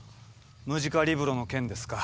ムジカリブロの件ですか。